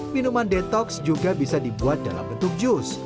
minuman detox juga bisa dibuat dalam bentuk jus